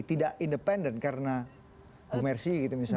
tidak independen karena bumersi gitu misalnya